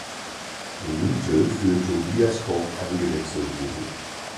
Minute für Tobias Koch eingewechselt wurde.